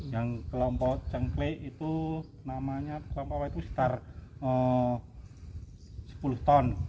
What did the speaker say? yang kelompok cengkle itu namanya kelompok itu sekitar sepuluh ton